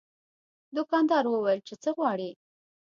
دوکاندار وویل چې څه غواړې.